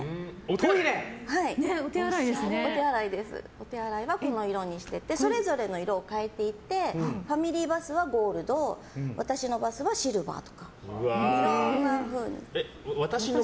お手洗いはこの色にしててそれぞれの色を変えていてファミリーバスはゴールド私のバスはシルバーとか。いろんなふうに。